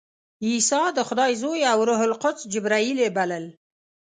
عیسی د خدای زوی او روح القدس جبراییل یې بلل.